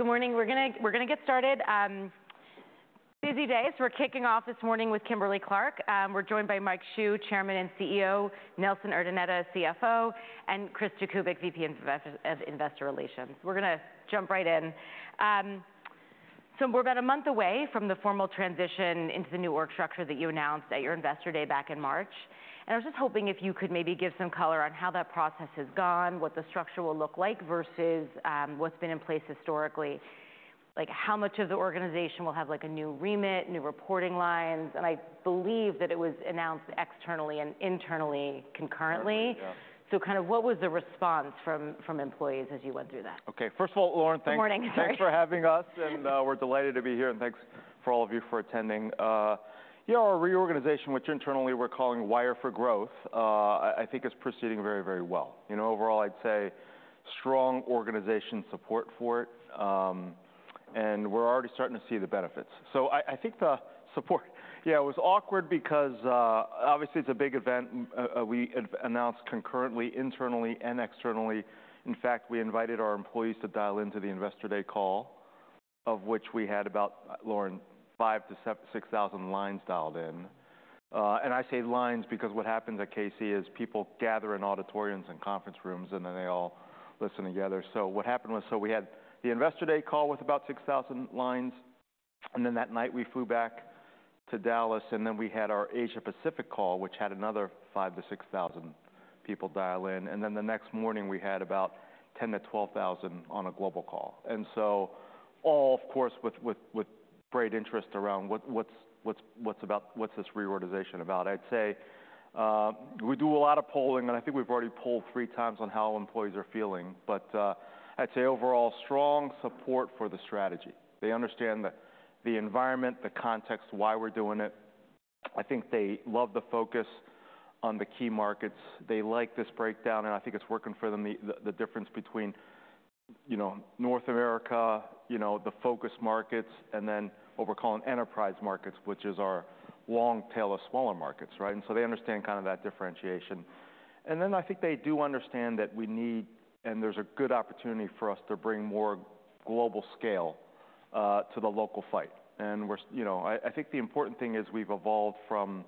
Good morning, we're gonna get started. Busy day, so we're kicking off this morning with Kimberly-Clark. We're joined by Mike Hsu, Chairman and CEO, Nelson Urdaneta, CFO, and Chris Jakubik, VP of Investor Relations. We're gonna jump right in. So we're about a month away from the formal transition into the new org structure that you announced at your Investor Day back in March, and I was just hoping if you could maybe give some color on how that process has gone, what the structure will look like versus what's been in place historically? Like, how much of the organization will have, like, a new remit, new reporting lines? And I believe that it was announced externally and internally concurrently. Correct, yeah. So, kind of, what was the response from employees as you went through that? Okay. First of all, Lauren, thanks- Good morning, sorry.... Thanks for having us, and we're delighted to be here, and thanks for all of you for attending. Yeah, our reorganization, which internally we're calling Wire for Growth, I think is proceeding very, very well. You know, overall, I'd say strong organization support for it, and we're already starting to see the benefits. So I think the support yeah, it was awkward because obviously it's a big event. We announced concurrently, internally and externally. In fact, we invited our employees to dial into the Investor Day call, of which we had about, Lauren, five to six thousand lines dialed in. And I say lines, because what happens at KC is people gather in auditoriums and conference rooms, and then they all listen together. What happened was, we had the Investor Day call with about 6,000 lines, and then that night we flew back to Dallas, and then we had our Asia Pacific call, which had another 5,000 to 6,000 people dial in, and then the next morning, we had about 10,000 to 12,000 on a global call. And so all, of course, with great interest around what's this reorganization about? I'd say we do a lot of polling, and I think we've already polled three times on how employees are feeling, but I'd say overall, strong support for the strategy. They understand the environment, the context, why we're doing it. I think they love the focus on the key markets. They like this breakdown, and I think it's working for them, the difference between, you know, North America, you know, the Focus Markets, and then what we're calling Enterprise Markets, which is our long tail of smaller markets, right? And so they understand kind of that differentiation. And then I think they do understand that we need... And there's a good opportunity for us to bring more global scale to the local fight. And we're, you know, I think the important thing is, we've evolved from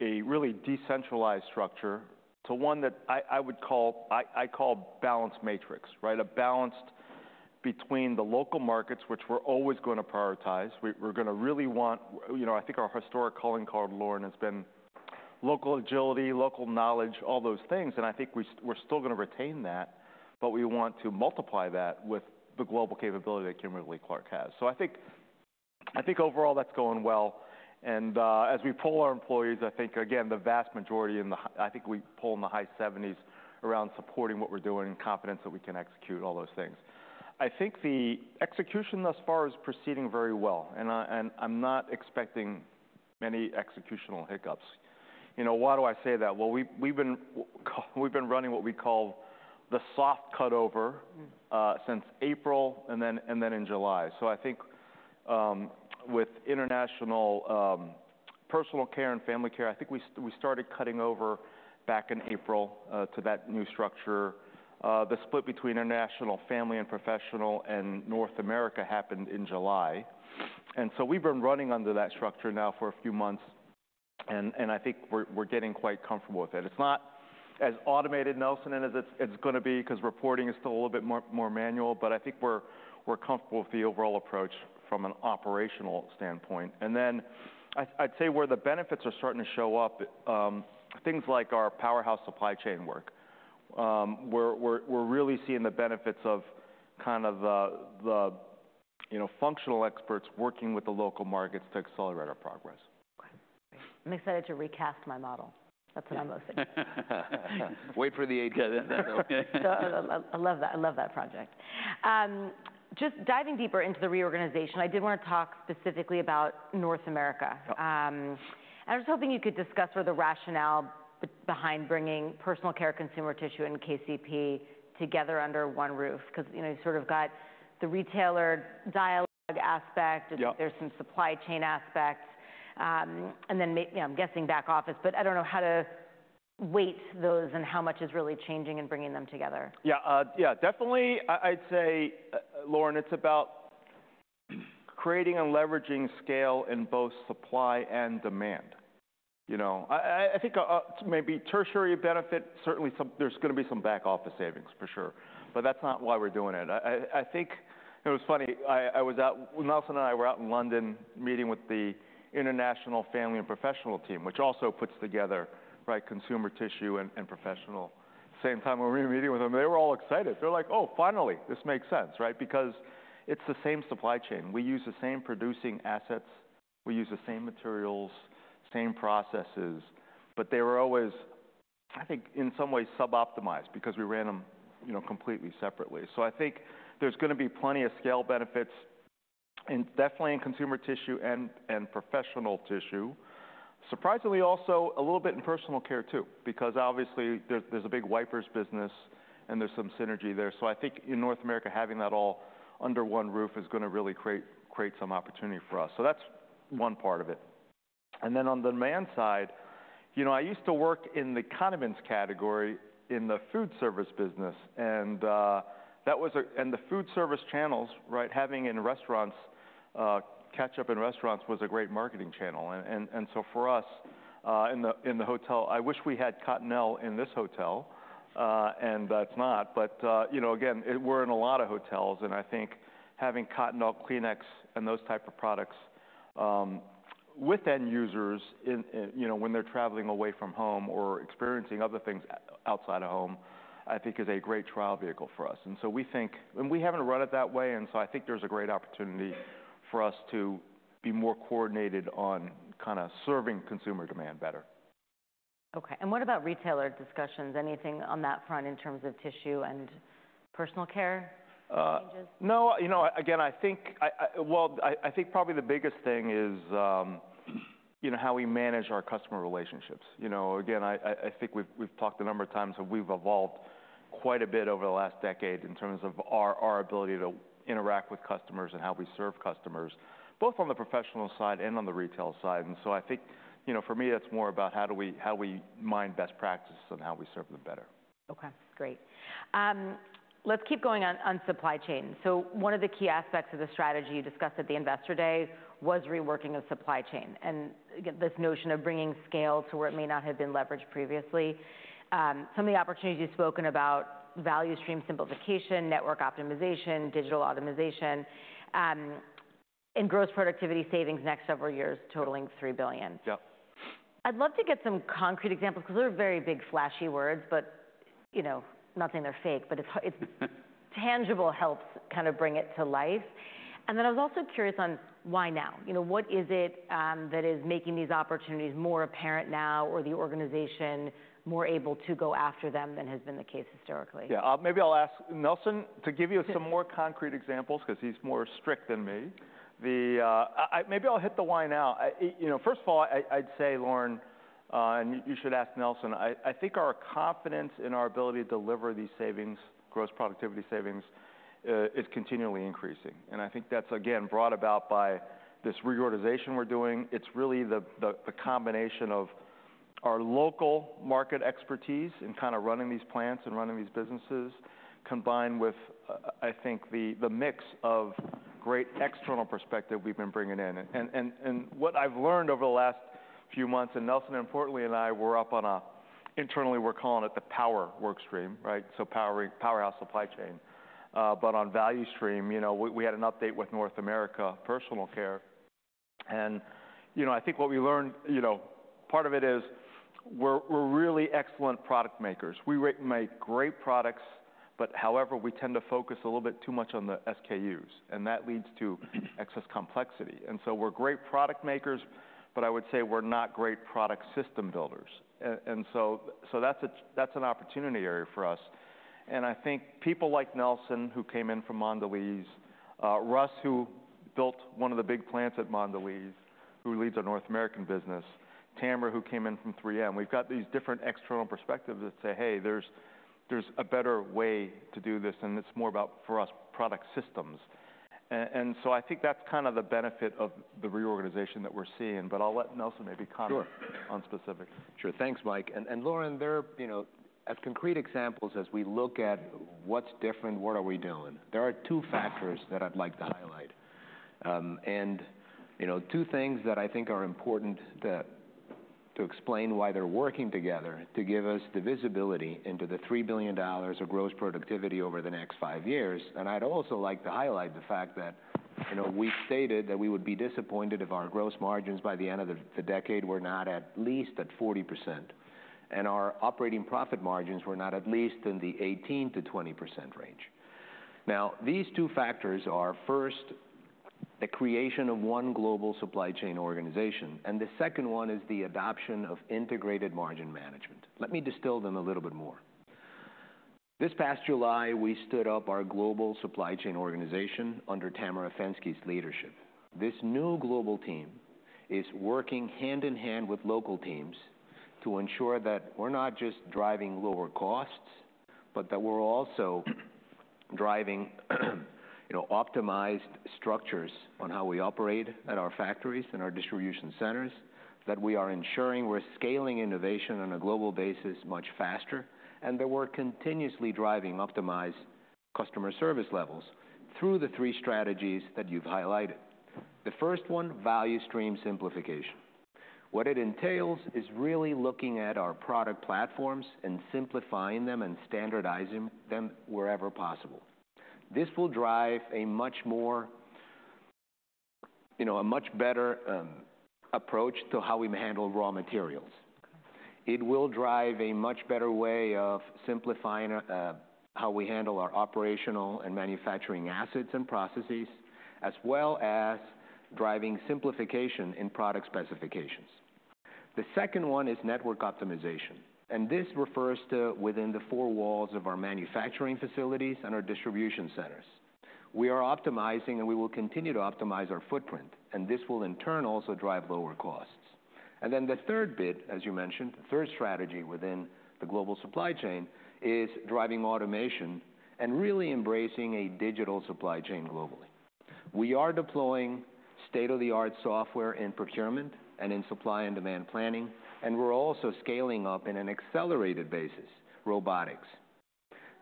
a really decentralized structure to one that I would call balanced matrix, right? A balanced between the local markets, which we're always gonna prioritize. We're gonna really want, you know, I think our historic calling card, Lauren, has been local agility, local knowledge, all those things, and I think we're still gonna retain that, but we want to multiply that with the global capability that Kimberly-Clark has. So I think, I think overall that's going well, and as we poll our employees, I think, again, the vast majority in the high seventies around supporting what we're doing and confidence that we can execute all those things. I think the execution thus far is proceeding very well, and I'm not expecting many executional hiccups. You know, why do I say that? Well, we've been running what we call the soft cutover- Mm-hmm. Since April, and then in July. So I think with International Personal Care and Family Care, I think we started cutting over back in April to that new structure. The split between International Family and Professional and North America happened in July. And so we've been running under that structure now for a few months, and I think we're getting quite comfortable with it. It's not as automated, Nelson, as it's gonna be, because reporting is still a little bit more manual, but I think we're comfortable with the overall approach from an operational standpoint. And then I'd say where the benefits are starting to show up, things like our Powerhouse Supply Chain work. We're really seeing the benefits of kind of the, you know, functional experts working with the local markets to accelerate our progress. Okay, great. I'm excited to recast my model. That's what I'm most excited about. Yeah. Wait for the eight- Yeah, that... So I love that. I love that project. Just diving deeper into the reorganization, I did wanna talk specifically about North America. Yep. I was hoping you could discuss where the rationale behind bringing personal care, consumer tissue, and KCP together under one roof, because, you know, you've sort of got the retailer dialogue aspect? Yep... there's some supply chain aspects, and then I'm guessing back office, but I don't know how to weight those and how much is really changing and bringing them together. Yeah, yeah, definitely, I'd say, Lauren, it's about creating and leveraging scale in both supply and demand. You know, I think, maybe tertiary benefit, certainly there's gonna be some back office savings, for sure, but that's not why we're doing it. I think. It was funny, I was out, Nelson and I were out in London, meeting with the International Family and Professional team, which also puts together, right, consumer tissue and professional. Same time we were meeting with them, they were all excited. They're like: "Oh, finally, this makes sense," right? Because it's the same supply chain. We use the same producing assets, we use the same materials, same processes, but they were always, I think, in some ways, sub-optimized because we ran them, you know, completely separately. So I think there's gonna be plenty of scale benefits, and definitely in consumer tissue and professional tissue. Surprisingly, also, a little bit in personal care, too, because obviously there's a big wipers business, and there's some synergy there. So I think in North America, having that all under one roof is gonna really create some opportunity for us. So that's one part of it. And then on the demand side, you know, I used to work in the condiments category in the food service business, and the food service channels, right, having ketchup in restaurants was a great marketing channel. For us, in the hotel, I wish we had Cottonelle in this hotel, and that's not, but, you know, again, it-- we're in a lot of hotels, and I think having Cottonelle, Kleenex, and those type of products, with end users in, you know, when they're traveling away from home or experiencing other things outside of home, I think is a great trial vehicle for us. And so we think-- and we haven't run it that way, and so I think there's a great opportunity for us to be more coordinated on kind of serving consumer demand better. Okay, and what about retailer discussions? Anything on that front in terms of tissue and personal care changes? No, you know, again, I think probably the biggest thing is, you know, how we manage our customer relationships. You know, again, I think we've talked a number of times, and we've evolved quite a bit over the last decade in terms of our ability to interact with customers and how we serve customers, both on the professional side and on the retail side. So I think, you know, for me, it's more about how we mine best practices and how we serve them better. Okay, great. Let's keep going on supply chain. So one of the key aspects of the strategy you discussed at the Investor Day was reworking the supply chain, and, again, this notion of bringing scale to where it may not have been leveraged previously. Some of the opportunities you've spoken about, value stream simplification, network optimization, digital optimization, and gross productivity savings next several years totaling $3 billion. Yep. I'd love to get some concrete examples because they're very big, flashy words, but, you know, not saying they're fake, but it's hard, tangible helps kind of bring it to life, and then I was also curious on why now? You know, what is it that is making these opportunities more apparent now, or the organization more able to go after them than has been the case historically? Yeah, maybe I'll ask Nelson to give you some more concrete examples 'cause he's more strict than me. I maybe I'll hit the why now. You know, first of all, I'd say, Lauren, and you should ask Nelson. I think our confidence in our ability to deliver these savings, gross productivity savings, is continually increasing, and I think that's, again, brought about by this reorganization we're doing. It's really the combination of our local market expertise in kind of running these plants and running these businesses, combined with, I think, the mix of great external perspective we've been bringing in. And what I've learned over the last few months, and Nelson and Patricia and I were up on a, internally we're calling it the Powerhouse workstream, right? So, Powerhouse Supply Chain. But on value stream, you know, we had an update with North America Personal Care, and you know, I think what we learned, you know, part of it is we're really excellent product makers. We make great products, but however, we tend to focus a little bit too much on the SKUs, and that leads to excess complexity. And so we're great product makers, but I would say we're not great product system builders. And so that's an opportunity area for us. And I think people like Nelson, who came in from Mondelez, Russ, who built one of the big plants at Mondelez, who leads our North American business, Tamera, who came in from 3M, we've got these different external perspectives that say, "Hey, there's a better way to do this," and it's more about, for us, product systems. I think that's kind of the benefit of the reorganization that we're seeing, but I'll let Nelson maybe comment. Sure. On specifics. Sure. Thanks, Mike. And Lauren, there are, you know, as concrete examples, as we look at what's different, what are we doing, there are two factors that I'd like to highlight. And, you know, two things that I think are important that, to explain why they're working together to give us the visibility into the $3 billion of gross productivity over the next five years, and I'd also like to highlight the fact that, you know, we stated that we would be disappointed if our gross margins by the end of the decade were not at least at 40% and our operating profit margins were not at least in the 18%-20% range. Now, these two factors are, first, the creation of one global supply chain organization, and the second one is the adoption of integrated margin management. Let me distill them a little bit more. This past July, we stood up our global supply chain organization under Tamera Fenske's leadership. This new global team is working hand in hand with local teams to ensure that we're not just driving lower costs, but that we're also driving, you know, optimized structures on how we operate at our factories and our distribution centers. That we are ensuring we're scaling innovation on a global basis much faster, and that we're continuously driving optimized customer service levels through the three strategies that you've highlighted. The first one, value stream simplification. What it entails is really looking at our product platforms and simplifying them and standardizing them wherever possible. This will drive a much more, you know, a much better approach to how we handle raw materials. It will drive a much better way of simplifying how we handle our operational and manufacturing assets and processes, as well as driving simplification in product specifications. The second one is network optimization, and this refers to within the four walls of our manufacturing facilities and our distribution centers. We are optimizing, and we will continue to optimize our footprint, and this will, in turn, also drive lower costs. And then the third bit, as you mentioned, the third strategy within the global supply chain, is driving automation and really embracing a digital supply chain globally. We are deploying state-of-the-art software in procurement and in supply and demand planning, and we're also scaling up in an accelerated basis robotics.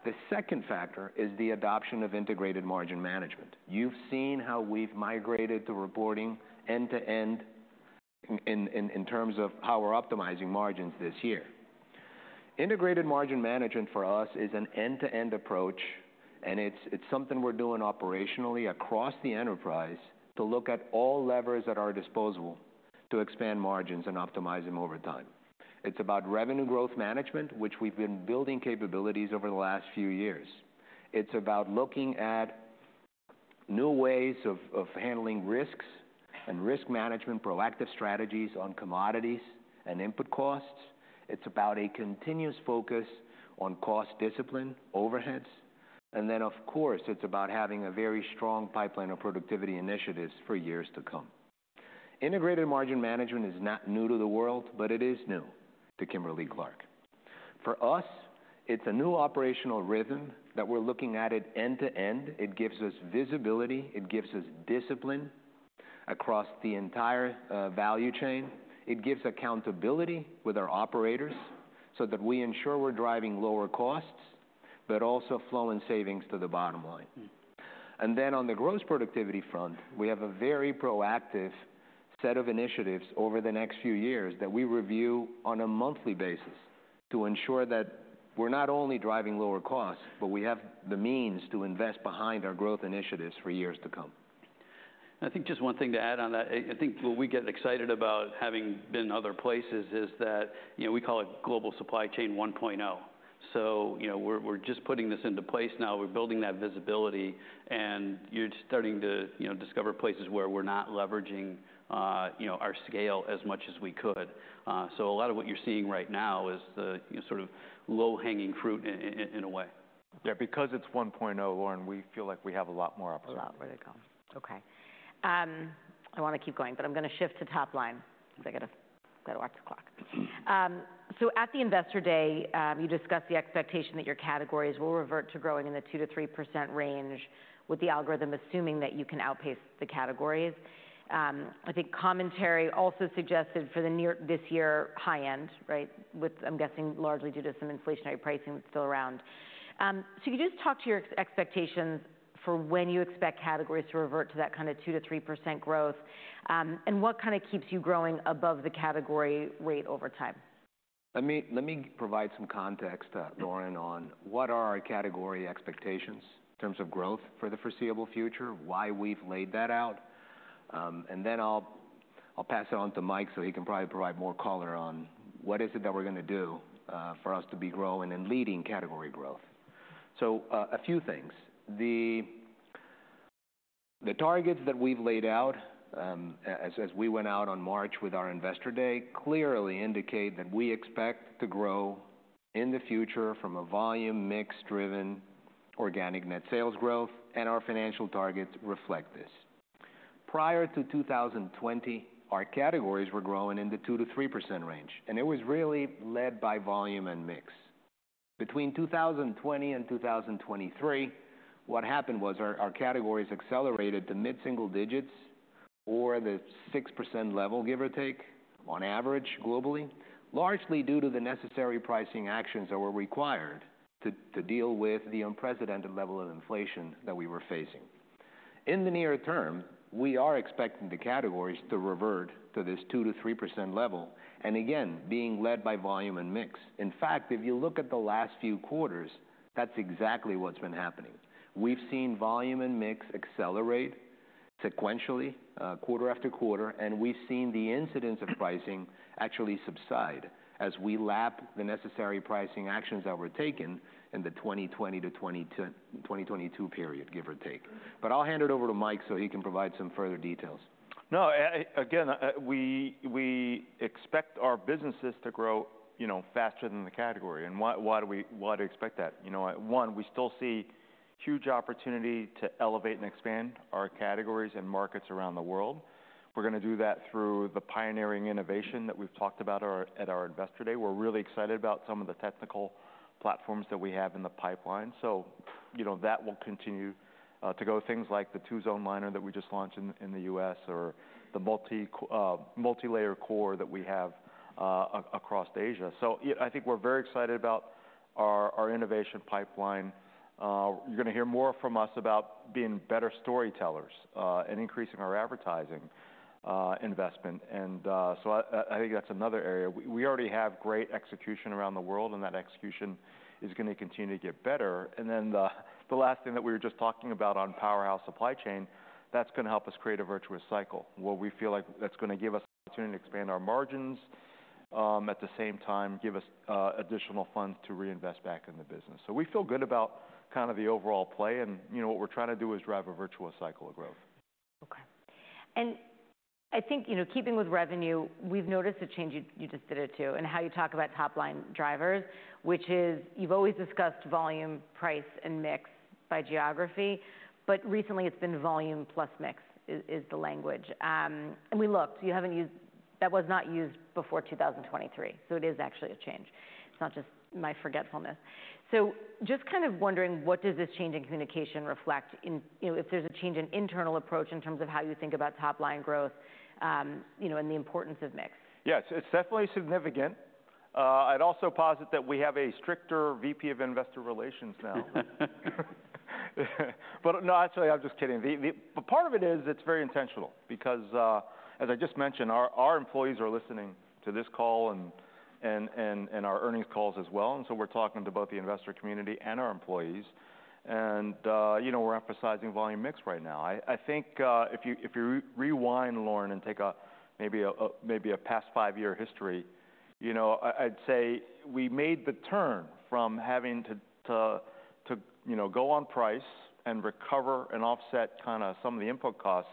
The second factor is the adoption of integrated margin management. You've seen how we've migrated to reporting end-to-end in terms of how we're optimizing margins this year. Integrated Margin Management for us is an end-to-end approach, and it's something we're doing operationally across the enterprise to look at all levers at our disposal to expand margins and optimize them over time. It's about revenue growth management, which we've been building capabilities over the last few years. It's about looking at new ways of handling risks and risk management, proactive strategies on commodities and input costs. It's about a continuous focus on cost discipline, overheads, and then, of course, it's about having a very strong pipeline of productivity initiatives for years to come. Integrated Margin Management is not new to the world, but it is new to Kimberly-Clark. For us, it's a new operational rhythm that we're looking at it end to end. It gives us visibility, it gives us discipline across the entire value chain. It gives accountability with our operators so that we ensure we're driving lower costs, but also flowing savings to the bottom line, and then on the gross productivity front, we have a very proactive set of initiatives over the next few years that we review on a monthly basis to ensure that we're not only driving lower costs, but we have the means to invest behind our growth initiatives for years to come. I think just one thing to add on that. I think what we get excited about having been other places is that, you know, we call it Global Supply Chain 1.0. So, you know, we're just putting this into place now. We're building that visibility, and you're starting to, you know, discover places where we're not leveraging, you know, our scale as much as we could. So a lot of what you're seeing right now is the sort of low-hanging fruit in a way. Yeah, because it's 1.0, Lauren, we feel like we have a lot more opportunity. A lot more to come. Okay, I wanna keep going, but I'm gonna shift to top line because I gotta watch the clock. So at the Investor Day, you discussed the expectation that your categories will revert to growing in the 2-3% range, with the algorithm assuming that you can outpace the categories. I think commentary also suggested for the near term, this year, high end, right? Which I'm guessing largely due to some inflationary pricing that's still around. So can you just talk to your expectations for when you expect categories to revert to that kind of 2-3% growth, and what kind of keeps you growing above the category rate over time? Let me provide some context, Lauren, on what are our category expectations in terms of growth for the foreseeable future, why we've laid that out, and then I'll pass it on to Mike, so he can probably provide more color on what is it that we're gonna do for us to be growing and leading category growth, so a few things. The targets that we've laid out, as we went out on March with our Investor Day, clearly indicate that we expect to grow in the future from a volume mix-driven, organic net sales growth, and our financial targets reflect this. Prior to two thousand and twenty, our categories were growing in the 2-3% range, and it was really led by volume and mix. Between two thousand and twenty and two thousand and twenty-three, what happened was our categories accelerated to mid-single digits or the 6% level, give or take, on average, globally, largely due to the necessary pricing actions that were required to deal with the unprecedented level of inflation that we were facing. In the near term, we are expecting the categories to revert to this 2% to 3% level, and again, being led by volume and mix. In fact, if you look at the last few quarters, that's exactly what's been happening. We've seen volume and mix accelerate sequentially, quarter after quarter, and we've seen the incidence of pricing actually subside as we lap the necessary pricing actions that were taken in the twenty twenty to twenty twenty-two period, give or take. But I'll hand it over to Mike so he can provide some further details. No, again, we expect our businesses to grow, you know, faster than the category. And why do we expect that? You know, one, we still see huge opportunity to elevate and expand our categories and markets around the world. We're gonna do that through the pioneering innovation that we've talked about at our Investor Day. We're really excited about some of the technical platforms that we have in the pipeline. So, you know, that will continue to go. Things like the Two-Zone Liner that we just launched in the US, or the multilayer core that we have across Asia. So I think we're very excited about our innovation pipeline. You're gonna hear more from us about being better storytellers and increasing our advertising investment. So I think that's another area. We already have great execution around the world, and that execution is gonna continue to get better, and then the last thing that we were just talking about on Powerhouse Supply Chain, that's gonna help us create a virtuous cycle, where we feel like that's gonna give us the opportunity to expand our margins, at the same time, give us additional funds to reinvest back in the business, so we feel good about kind of the overall play, and, you know, what we're trying to do is drive a virtuous cycle of growth. Okay. And I think, you know, keeping with revenue, we've noticed a change, you just did it, too, in how you talk about top-line drivers, which is you've always discussed volume, price, and mix by geography, but recently it's been volume plus mix is the language. And we looked. That was not used before 2023, so it is actually a change. It's not just my forgetfulness. So just kind of wondering, what does this change in communication reflect in, you know, if there's a change in internal approach in terms of how you think about top-line growth, you know, and the importance of mix? Yes, it's definitely significant. I'd also posit that we have a stricter VP of Investor Relations now. But no, actually, I'm just kidding. But part of it is, it's very intentional because, as I just mentioned, our employees are listening to this call and our earnings calls as well, and so we're talking to both the investor community and our employees. And, you know, we're emphasizing volume mix right now. I think, if you rewind, Lauren, and take maybe a past five-year history, you know, I'd say we made the turn from having to go on price and recover and offset kinda some of the input costs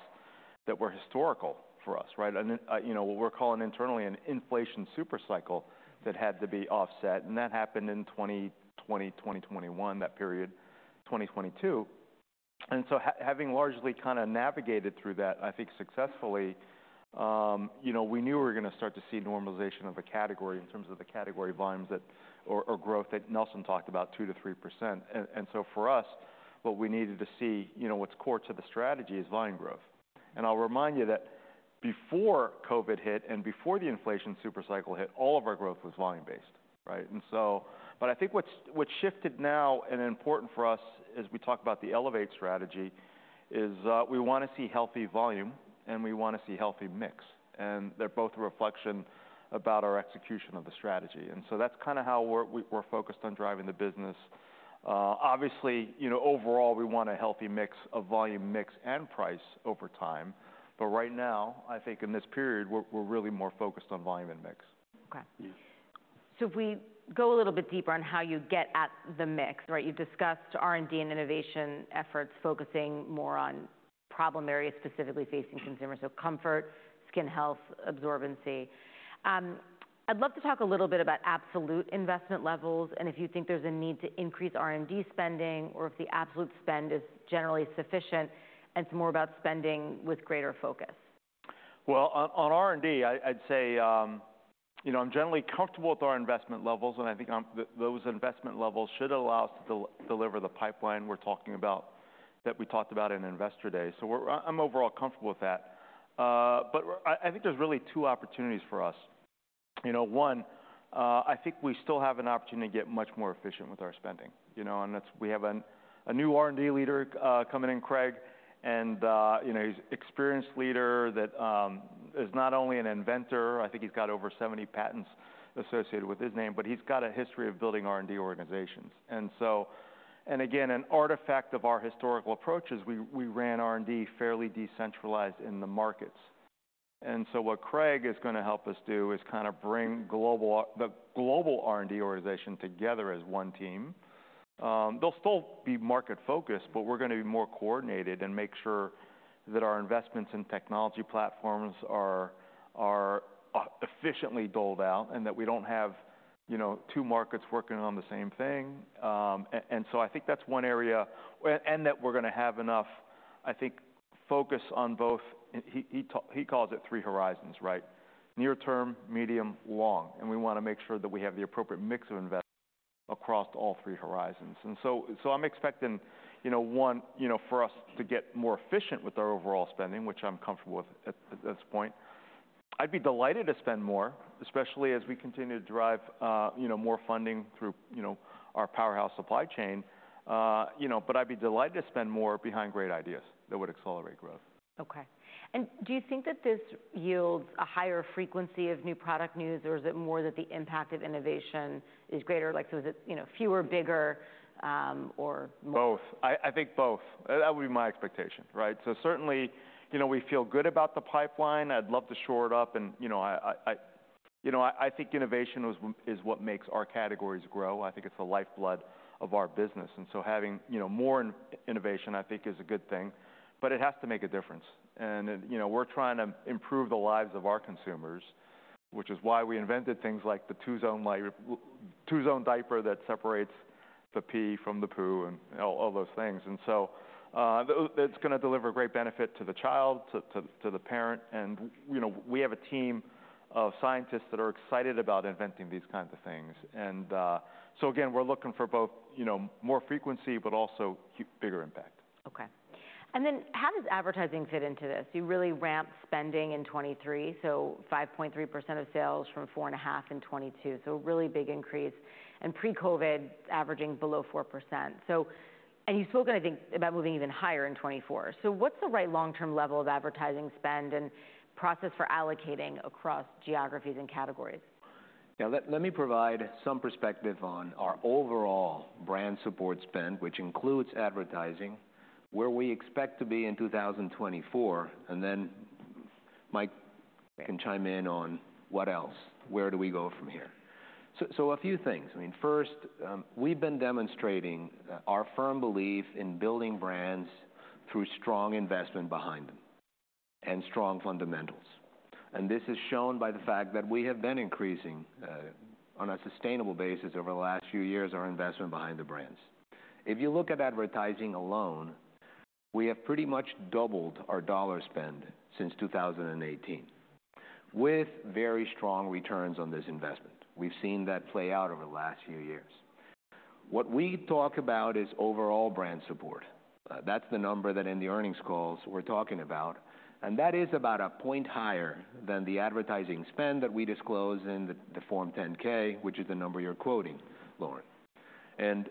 that were historical for us, right? And, you know, what we're calling internally an Inflation Super Cycle that had to be offset, and that happened in 2020, 2021, that period, 2022. And so, having largely kinda navigated through that, I think successfully, you know, we knew we were gonna start to see normalization of the category in terms of the category volumes that, or growth that Nelson talked about 2-3%. And so for us, what we needed to see, you know, what's core to the strategy is volume growth. And I'll remind you that before COVID hit and before the Inflation Super Cycle hit, all of our growth was volume-based, right? But I think what's shifted now and important for us as we talk about the Elevate strategy is we wanna see healthy volume, and we wanna see healthy mix, and they're both a reflection about our execution of the strategy. And so that's kinda how we're focused on driving the business. Obviously, you know, overall, we want a healthy mix of volume, mix, and price over time, but right now, I think in this period, we're really more focused on volume and mix. Okay. Yes. So if we go a little bit deeper on how you get at the mix, right? You've discussed R&D and innovation efforts focusing more on problem areas, specifically facing consumers, so comfort, skin health, absorbency. I'd love to talk a little bit about absolute investment levels and if you think there's a need to increase R&D spending, or if the absolute spend is generally sufficient, and it's more about spending with greater focus. Well, on R&D, I'd say, you know, I'm generally comfortable with our investment levels, and I think those investment levels should allow us to deliver the pipeline we're talking about, that we talked about in Investor Day. So I'm overall comfortable with that. But I think there's really two opportunities for us. You know, one, I think we still have an opportunity to get much more efficient with our spending, you know, and that's. We have a new R&D leader coming in, Craig, and, you know, he's an experienced leader that is not only an inventor, I think he's got over 70 patents associated with his name, but he's got a history of building R&D organizations. An artifact of our historical approach is we ran R&D fairly decentralized in the markets. What Craig is gonna help us do is kinda bring the global R&D organization together as one team. They'll still be market focused, but we're gonna be more coordinated and make sure that our investments in technology platforms are efficiently doled out, and that we don't have, you know, two markets working on the same thing. I think that's one area, and that we're gonna have enough, I think, focus on both. He calls it three horizons, right? Near term, medium, long, and we wanna make sure that we have the appropriate mix of investments across all three horizons. I'm expecting, you know, one, you know, for us to get more efficient with our overall spending, which I'm comfortable with at this point. I'd be delighted to spend more, especially as we continue to drive, you know, more funding through, you know, our Powerhouse Supply Chain. You know, but I'd be delighted to spend more behind great ideas that would accelerate growth. Okay. And do you think that this yields a higher frequency of new product news, or is it more that the impact of innovation is greater? Like, so is it, you know, fewer, bigger, or- Both. I think both. That would be my expectation, right? So certainly, you know, we feel good about the pipeline. I'd love to shore it up and, you know, I think innovation is what makes our categories grow. I think it's the lifeblood of our business, and so having, you know, more innovation, I think, is a good thing, but it has to make a difference. And it, you know, we're trying to improve the lives of our consumers, which is why we invented things like the Two-Zone diaper that separates the pee from the poo and all those things. And so, it's gonna deliver great benefit to the child, to the parent, and, you know, we have a team of scientists that are excited about inventing these kinds of things. So again, we're looking for both, you know, more frequency, but also bigger impact. Okay, and then how does advertising fit into this? You really ramped spending in 2023, so 5.3% of sales from 4.5% in 2022, so a really big increase, and pre-COVID averaging below 4%, and you've spoken, I think, about moving even higher in 2024, so what's the right long-term level of advertising spend and process for allocating across geographies and categories? Yeah, let me provide some perspective on our overall brand support spend, which includes advertising, where we expect to be in 2024, and then Mike can chime in on what else, where do we go from here? So, a few things. I mean, first, we've been demonstrating our firm belief in building brands through strong investment behind them and strong fundamentals, and this is shown by the fact that we have been increasing, on a sustainable basis over the last few years, our investment behind the brands. If you look at advertising alone. We have pretty much doubled our $ spend since 2018, with very strong returns on this investment. We've seen that play out over the last few years. What we talk about is overall brand support. That's the number that in the earnings calls we're talking about, and that is about a point higher than the advertising spend that we disclose in the Form 10-K, which is the number you're quoting, Lauren. And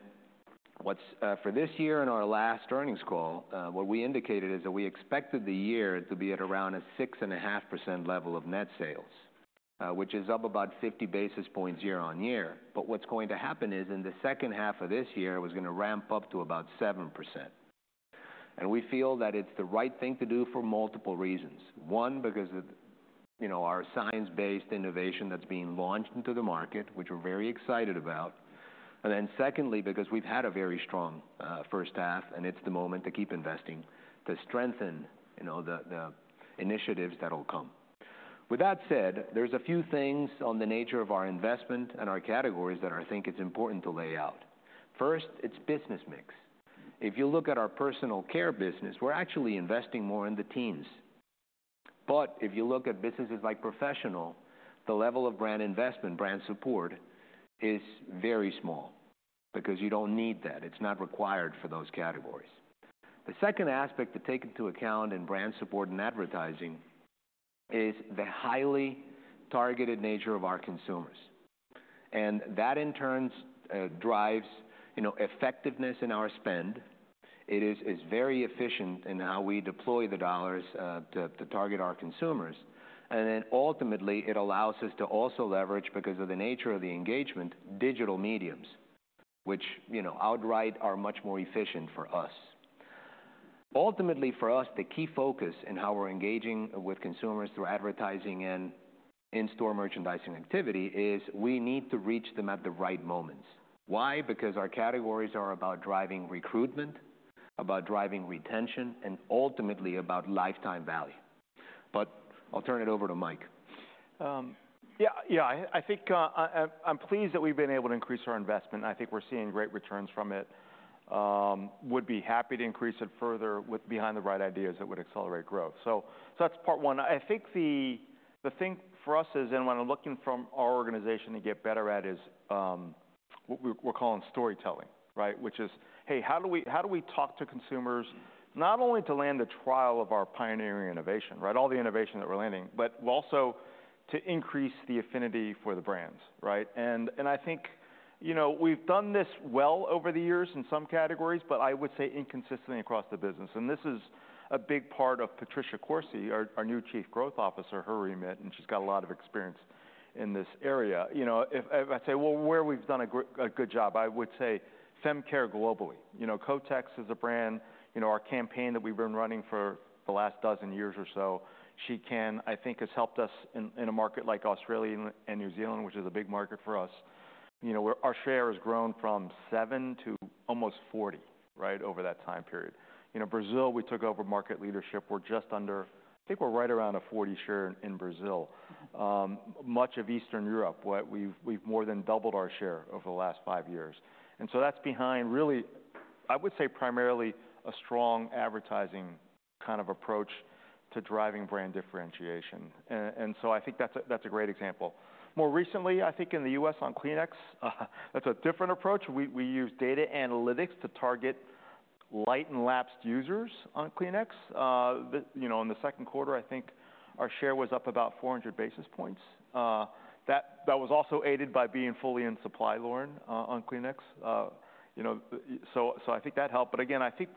what's for this year, in our last earnings call, what we indicated is that we expected the year to be at around a 6.5% level of net sales, which is up about 50 basis points year on year. But what's going to happen is, in the second half of this year, it was gonna ramp up to about 7%. And we feel that it's the right thing to do for multiple reasons. One, because of, you know, our science-based innovation that's being launched into the market, which we're very excited about. Secondly, because we've had a very strong first half, and it's the moment to keep investing, to strengthen, you know, the initiatives that'll come. With that said, there's a few things on the nature of our investment and our categories that I think it's important to lay out. First, it's business mix. If you look at our personal care business, we're actually investing more in the teams. But if you look at businesses like professional, the level of brand investment, brand support, is very small because you don't need that. It's not required for those categories. The second aspect to take into account in brand support and advertising is the highly targeted nature of our consumers, and that, in turn, drives, you know, effectiveness in our spend. It is very efficient in how we deploy the dollars to target our consumers. And then ultimately, it allows us to also leverage, because of the nature of the engagement, digital mediums, which, you know, outright are much more efficient for us. Ultimately, for us, the key focus in how we're engaging with consumers through advertising and in-store merchandising activity, is we need to reach them at the right moments. Why? Because our categories are about driving recruitment, about driving retention, and ultimately about lifetime value. But I'll turn it over to Mike. Yeah, I think I'm pleased that we've been able to increase our investment, and I think we're seeing great returns from it. I would be happy to increase it further behind the right ideas that would accelerate growth. So that's part one. I think the thing for us is, and when I'm looking at our organization to get better at, is what we're calling storytelling, right? Which is, hey, how do we talk to consumers? Not only to land the trial of our pioneering innovation, right, all the innovation that we're landing, but also to increase the affinity for the brands, right? And I think, you know, we've done this well over the years in some categories, but I would say inconsistently across the business. And this is a big part of Patricia Corsi, our new Chief Growth Officer, her remit, and she's got a lot of experience in this area. You know, if I say, well, where we've done a good job, I would say fem care globally. You know, Kotex is a brand. You know, our campaign that we've been running for the last dozen years or so, She Can, I think has helped us in a market like Australia and New Zealand, which is a big market for us. You know, where our share has grown from seven to almost 40, right, over that time period. You know, Brazil, we took over market leadership. We're just under. I think we're right around a 40 share in Brazil. Much of Eastern Europe, what we've more than doubled our share over the last 5 years. And so that's behind, really, I would say, primarily a strong advertising kind of approach to driving brand differentiation. And so I think that's a great example. More recently, I think in the U.S. on Kleenex, that's a different approach. We use data analytics to target light and lapsed users on Kleenex. You know, in the second quarter, I think our share was up about 400 basis points. That was also aided by being fully in supply, Lauren, on Kleenex. You know, so I think that helped, but again, I think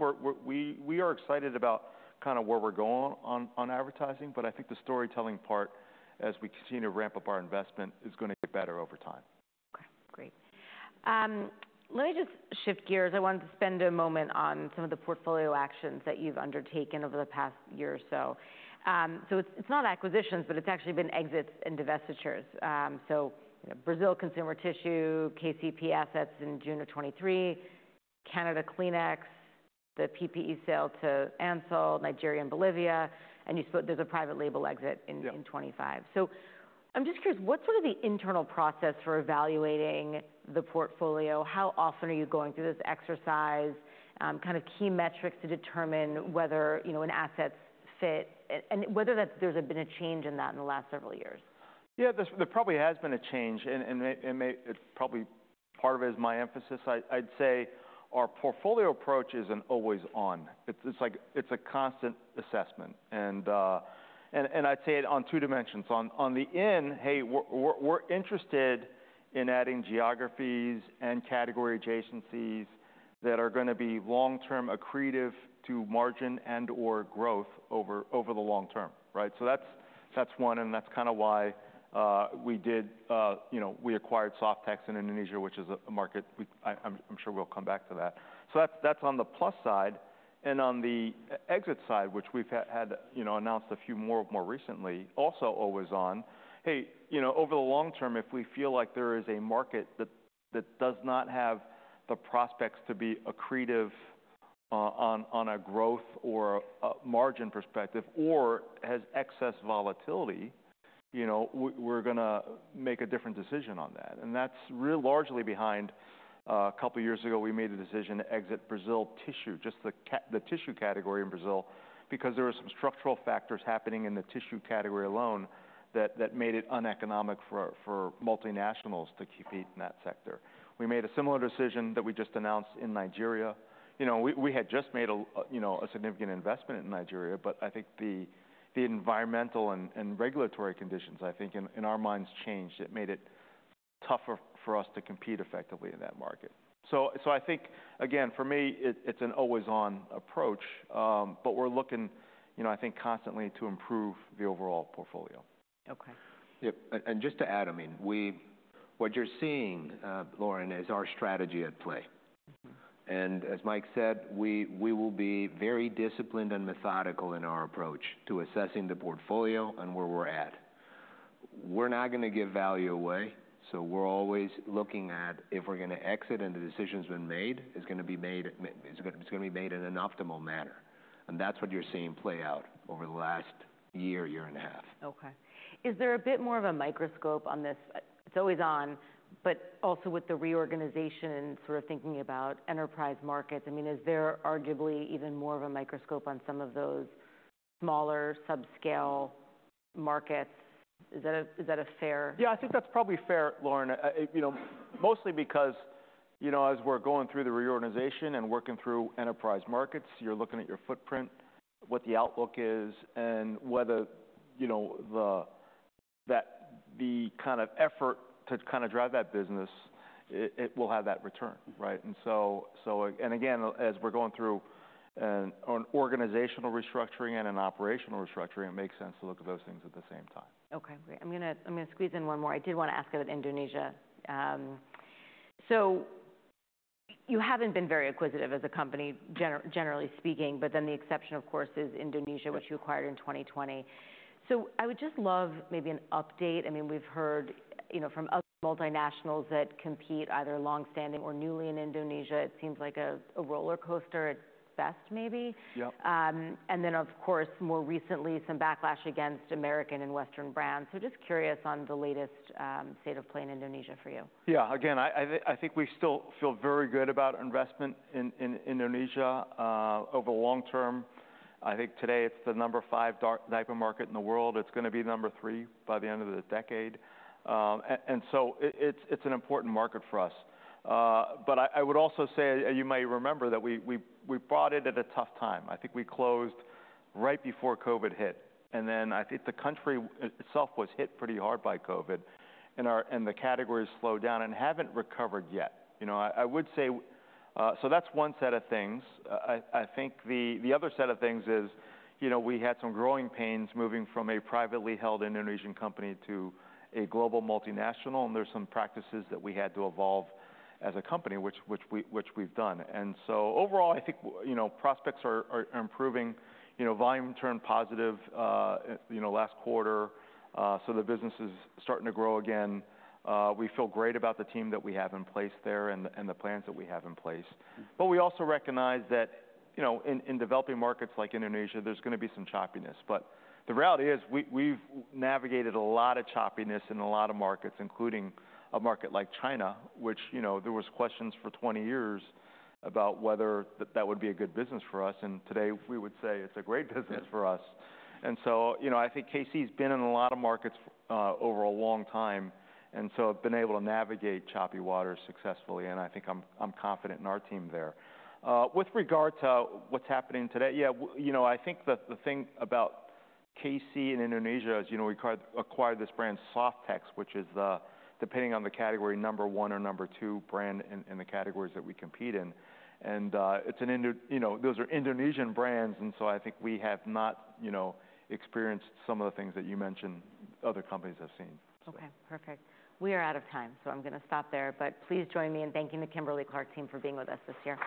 we are excited about kind of where we're going on advertising, but I think the storytelling part, as we continue to ramp up our investment, is gonna get better over time. Okay, great. Let me just shift gears. I wanted to spend a moment on some of the portfolio actions that you've undertaken over the past year or so. So it's not acquisitions, but it's actually been exits and divestitures. You know, Brazil Consumer Tissue, KCP assets in June of 2023, Canada Kleenex, the PPE sale to Ansell, Nigeria, and Bolivia, and there's a private label exit in- Yeah in twenty-five. So I'm just curious, what's sort of the internal process for evaluating the portfolio? How often are you going through this exercise, kind of key metrics to determine whether, you know, an asset fits and whether there's been a change in that in the last several years? Yeah, there probably has been a change, and may- it's probably part of it is my emphasis. I'd say our portfolio approach isn't always on. It's like it's a constant assessment, and I'd say it on two dimensions. On the one hand, we're interested in adding geographies and category adjacencies that are gonna be long-term accretive to margin and/or growth over the long term, right? So that's one, and that's kind of why we did, you know, we acquired Softex in Indonesia, which is a market I'm sure we'll come back to that. So that's on the plus side and on the exit side, which we've had, you know, announced a few more recently, also always on. Hey, you know, over the long term, if we feel like there is a market that does not have the prospects to be accretive, on a growth or a margin perspective, or has excess volatility, you know, we, we're gonna make a different decision on that, and that's real largely behind a couple years ago, we made a decision to exit Brazil tissue, just the tissue category in Brazil, because there were some structural factors happening in the tissue category alone that made it uneconomic for multinationals to compete in that sector. We made a similar decision that we just announced in Nigeria. You know, we had just made you know, a significant investment in Nigeria, but I think the environmental and regulatory conditions, I think, in our minds, changed. It made it tougher for us to compete effectively in that market. So, I think, again, for me, it's an always-on approach, but we're looking, you know, I think, constantly to improve the overall portfolio. Okay. Yep, and just to add, I mean, what you're seeing, Lauren, is our strategy at play. Mm-hmm. As Mike said, we will be very disciplined and methodical in our approach to assessing the portfolio and where we're at. We're not gonna give value away, so we're always looking at if we're gonna exit, and the decision's been made. It's gonna be made in an optimal manner, and that's what you're seeing play out over the last year and a half. Okay. Is there a bit more of a microscope on this? It's always on, but also with the reorganization and sort of thinking about Enterprise Markets, I mean, is there arguably even more of a microscope on some of those smaller, subscale markets? Is that a fair- Yeah, I think that's probably fair, Lauren. You know, mostly because, you know, as we're going through the reorganization and working through Enterprise Markets, you're looking at your footprint, what the outlook is, and whether, you know, the kind of effort to kind of drive that business, it will have that return, right? And so... And again, as we're going through an organizational restructuring and an operational restructuring, it makes sense to look at those things at the same time. Okay, great. I'm gonna squeeze in one more. I did wanna ask about Indonesia. So you haven't been very acquisitive as a company, generally speaking, but then the exception, of course, is Indonesia- Mm-hmm... which you acquired in 2020. I would just love maybe an update. I mean, we've heard, you know, from other multinationals that compete, either long-standing or newly in Indonesia, it seems like a rollercoaster at best, maybe? Yep. And then, of course, more recently, some backlash against American and Western brands. So just curious on the latest, state of play in Indonesia for you. Yeah. Again, I think we still feel very good about investment in Indonesia over the long term. I think today it's the number five diaper market in the world. It's gonna be number three by the end of the decade. And so it's an important market for us. But I would also say, you may remember, that we bought it at a tough time. I think we closed right before COVID hit, and then I think the country itself was hit pretty hard by COVID, and the categories slowed down and haven't recovered yet. You know, I would say, so that's one set of things. I think the other set of things is, you know, we had some growing pains moving from a privately held Indonesian company to a global multinational, and there's some practices that we had to evolve as a company, which we've done, and so overall, I think, you know, prospects are improving. You know, volume turned positive, you know, last quarter, so the business is starting to grow again. We feel great about the team that we have in place there and the plans that we have in place, but we also recognize that, you know, in developing markets like Indonesia, there's gonna be some choppiness. But the reality is, we, we've navigated a lot of choppiness in a lot of markets, including a market like China, which, you know, there was questions for twenty years about whether that would be a good business for us, and today we would say it's a great business for us. And so, you know, I think KC's been in a lot of markets over a long time, and so have been able to navigate choppy waters successfully, and I think confident in our team there. With regard to what's happening today, yeah, you know, I think the thing about KC in Indonesia is, you know, we acquired this brand, Softex, which is, depending on the category, number one or number two brand in the categories that we compete in. It's an Indonesian, you know, those are Indonesian brands, and so I think we have not, you know, experienced some of the things that you mentioned other companies have seen. Okay, perfect. We are out of time, so I'm gonna stop there, but please join me in thanking the Kimberly-Clark team for being with us this year.